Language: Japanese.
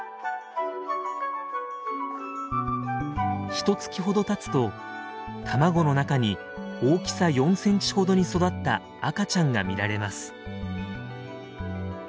ひと月ほどたつと卵の中に大きさ４センチほどに育った赤ちゃんが見られます。